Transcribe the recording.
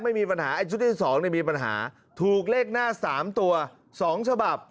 ไม่มีปัญหาไอ้ชุดที่สองไม่มีปัญหาถูกเลขหน้าสามตัวสองฉบับ